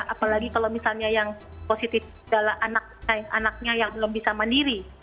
apalagi kalau misalnya yang positif adalah anaknya yang belum bisa mandiri